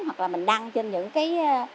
hoặc là mình đăng trên những cái